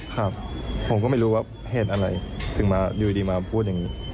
ครับผมก็ไม่รู้ว่าเหตุอะไรถึงมาอยู่ดีมาพูดอย่างนี้